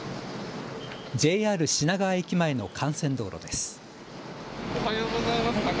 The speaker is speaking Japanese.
ＪＲ品川駅前の幹線道路です。